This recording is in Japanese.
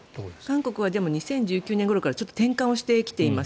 韓国は２０１９年ごろからちょっと転換をしてきています